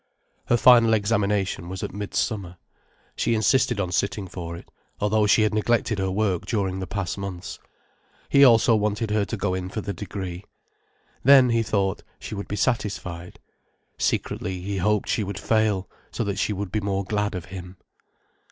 Her final examination was at midsummer. She insisted on sitting for it, although she had neglected her work during the past months. He also wanted her to go in for the degree. Then, he thought, she would be satisfied. Secretly he hoped she would fail, so that she would be more glad of him.